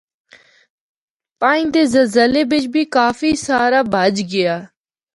پنج دے زلزلے بچ بھی کافی سارا بہج گیا۔